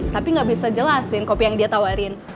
tapi gak bisa jelasin kopi yang dia tawarin